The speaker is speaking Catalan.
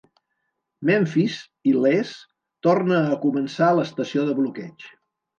Memfis, il·lès, torna a començar l'estació de bloqueig.